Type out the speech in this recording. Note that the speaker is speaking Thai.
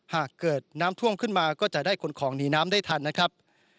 หากเกิดน้ำท่วมขึ้นมาก็จะได้ขนของหนีน้ำได้ทันนะครับ